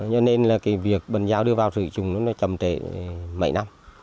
cho nên là cái việc bần giao đưa vào sử dụng nó nó chầm trễ mấy năm